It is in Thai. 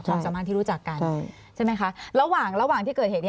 ความสามารถที่รู้จักกันใช่ไหมคะระหว่างระหว่างที่เกิดเหตุนี้